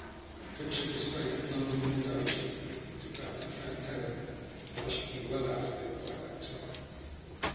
I pictured the state of London when day should break, and devoutly thanked Heaven that I should be well out of it by that time.